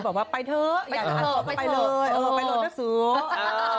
บอกว่าไปเถอะอยากจะอัดสอบก็ไปเลยไปลงทะสุนะฮะ